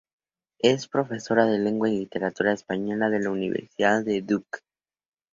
Es profesora de lengua y literatura española, en la Universidad de Duke.